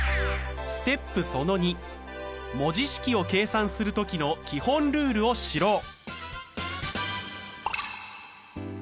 文字式を計算する時の基本ルールを知ろう。